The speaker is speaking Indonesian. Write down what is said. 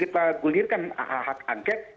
kita gulirkan hak angket